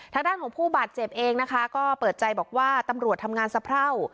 ทางด้านของผู้บาดเจ็บเองนะคะก็เปิดใจบอกว่าตำรวจทำงานสะเพรา